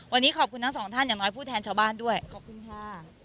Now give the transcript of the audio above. วันนี้ขอบคุณทั้งสองท่านอย่างน้อยผู้แทนชาวบ้านด้วยขอบคุณค่ะ